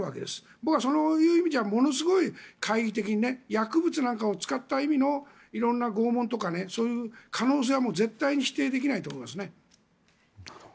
僕はその意味じゃものすごく懐疑的に薬物なんかを使った色々な拷問とか、その可能性は絶対に否定できないと思いますね。